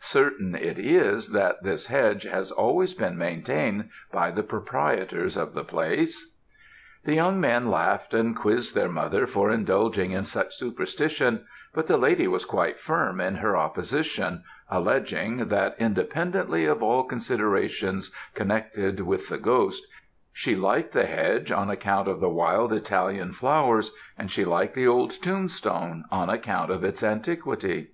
Certain, it is, that this hedge has always been maintained by the proprietors of the place.' "The young men laughed and quizzed their mother for indulging in such superstitions; but the lady was quite firm in her opposition, alledging, that independently of all considerations connected with the ghost, she liked the hedge on account of the wild Italian flowers; and she liked the old tombstone on account of its antiquity.